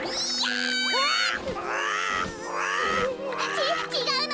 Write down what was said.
ちちがうの。